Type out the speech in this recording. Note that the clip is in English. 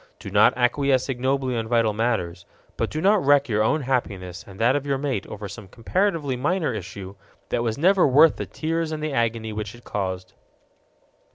Do not acquiesce ignobly on vital matters. But do not wreck your own happiness and that of your mate over some comparatively minor issue that was never worth the tears and the agony which it caused.